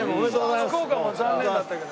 福岡は残念だったけど。